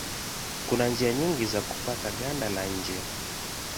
Kuna njia nyingi za kupata ganda la nje.